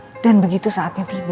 hai dan begitu saatnya tiba